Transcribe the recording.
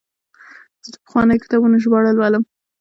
زه د پخوانیو کتابونو ژباړه لولم.